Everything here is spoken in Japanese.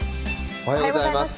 おはようございます。